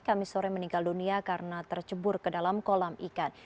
kami sore meninggal dunia karena tercebur ke dalam kolam ikan